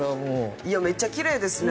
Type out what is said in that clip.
めっちゃきれいですね。